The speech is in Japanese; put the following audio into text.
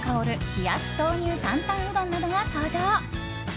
冷やし豆乳担々うどんなどが登場。